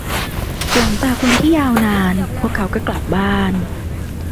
หลังจากวันที่ยาวนาน พวกเขาก็กลับบ้าน